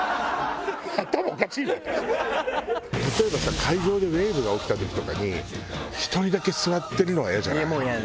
例えばさ会場でウェーブが起きた時とかに１人だけ座ってるのはイヤじゃない？